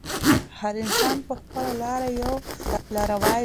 هر انسان په خپله لاره یو لاروی دی.